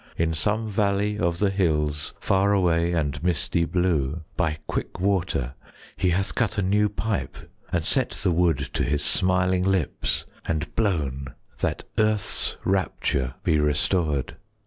In some valley of the hills Far away and misty blue, By quick water he hath cut A new pipe, and set the wood 30 To his smiling lips, and blown, That earth's rapture be restored.